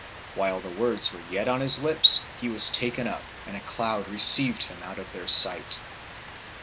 While the words were yet on His lips He was taken up, and a cloud received Him out of their sight.